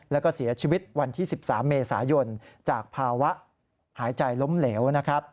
แล้วก็เสียชีวิตวันที่๑๓เมษายนจากภาวะหายใจล้มเหลวนะครับ